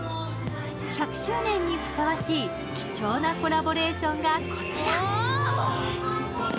１００周年にふさわしい貴重なコラボレーションがこちら。